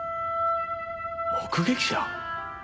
目撃者？